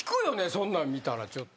そんなん見たらちょっと。